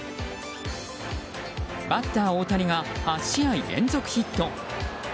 バッター大谷が８試合連続ヒット。